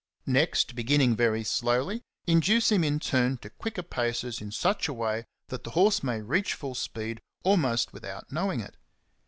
Next, beginning very slowly, induce him in turn to quicker paces in such a way that the horse may reach full speed almost without know ing it.